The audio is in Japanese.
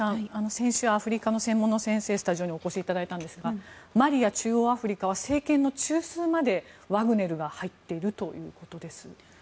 先週、アフリカの専門の先生スタジオに来ていただいたんですがマリなどは政権の中枢までワグネルが入っているということです。